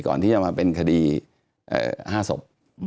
ก่อนที่จะมาเป็นคดี๕ศพ